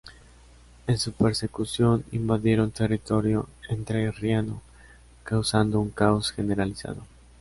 En su persecución, invadieron territorio entrerriano, causando un caos generalizado.